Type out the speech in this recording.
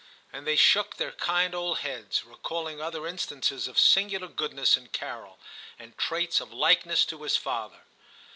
And they shook their kind old heads, recall ing other instances of singular goodness in Carol, and traits of likeness to his father.